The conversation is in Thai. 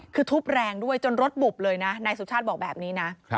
คือทุบแรงด้วยจนรถบุบเลยนะนายสุชาติบอกแบบนี้นะ